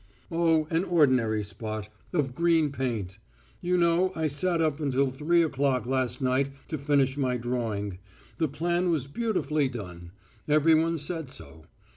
"Oh, an ordinary spot of green paint. You know I sat up until three o'clock last night to finish my drawing. The plan was beautifully done. Everyone said so.